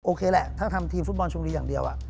โอเคแหละถ้าทำทีมฟุตบอลชมบุรีอย่างเดียว